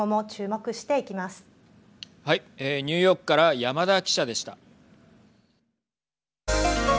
ニューヨークから山田記者でした。